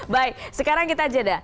baik sekarang kita jeda